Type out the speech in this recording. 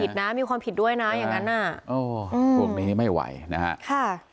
ผิดนะมีความผิดด้วยนะอย่างนั้นอ่ะพวกนี้ไม่ไหวนะฮะค่ะ